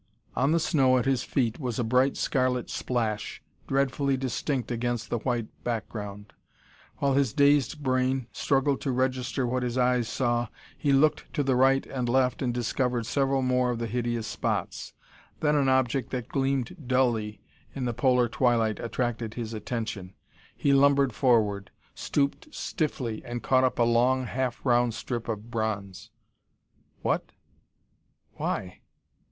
On the snow at his feet was a bright, scarlet splash, dreadfully distinct against the white background. While his dazed brain struggled to register what his eyes saw, he looked to the right and left and discovered several more of the hideous spots. Then an object that gleamed dully in the polar twilight attracted his attention. He lumbered forward, stooped stiffly and caught up a long, half round strip of bronze. "What? Why?